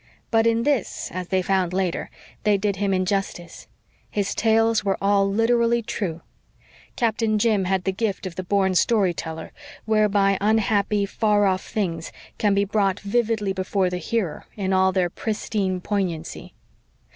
But in this, as they found later, they did him injustice. His tales were all literally true. Captain Jim had the gift of the born storyteller, whereby "unhappy, far off things" can be brought vividly before the hearer in all their pristine poignancy.